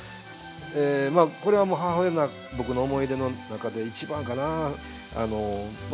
これは母親の僕の思い出の中で一番かな。